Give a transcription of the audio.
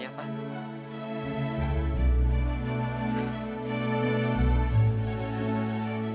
selamat ulang tahun